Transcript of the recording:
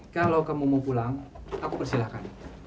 kalau kamu mau pulang aku persilahkan